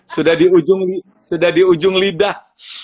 sudah di ujung sudah di ujung lidah